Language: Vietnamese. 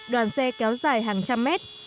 đoàn xe kéo dài hàng trăm mét